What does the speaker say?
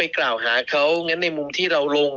กล่าวหาเขางั้นในมุมที่เราลง